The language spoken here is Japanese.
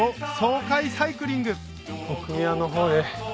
奥宮の方へ。